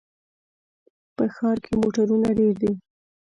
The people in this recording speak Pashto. په ښار کې موټرونه ډېر دي.